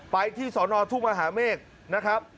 ไปที่สอนอทุ่งมหาเมฆนะครับ